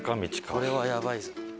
これはやばいぞ。